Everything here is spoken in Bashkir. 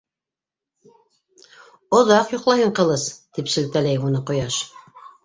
- Оҙаҡ йоҡлайһың, Ҡылыс, - тип шелтәләй уны ҡояш.